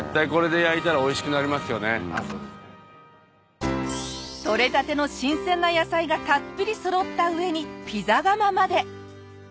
絶対採れたての新鮮な野菜がたっぷりそろった上にピザ窯まで。